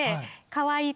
かわいい。